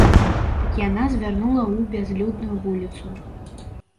Яна звярнула ў бязлюдную вуліцу.